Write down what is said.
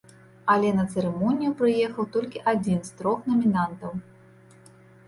Але на цырымонію прыехаў толькі адзін з трох намінантаў.